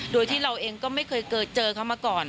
โดยที่เราเองก็ไม่เคยเจอเขามาก่อน